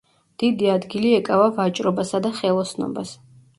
დიდი ადგილი ეკავა ვაჭრობასა და ხელოსნობას.